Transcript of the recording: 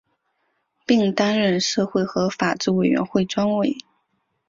并担任社会和法制委员会专委。